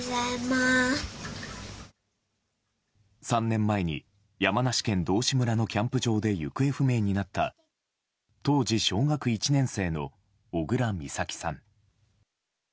３年前に山梨県道志村のキャンプ場で行方不明になった当時小学１年生の小倉美咲さん。